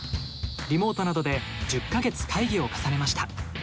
リモートなどで１０か月会議を重ねました。